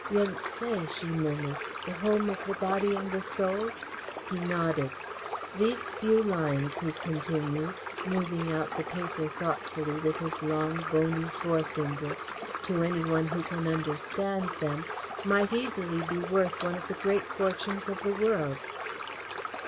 "Yun Tse," she murmured, "the home of the Body and the Soul?" He nodded. "These few lines," he continued, smoothing out the paper thoughtfully with his long, bony forefinger, "to any one who can understand them, might easily be worth one of the great fortunes of the world."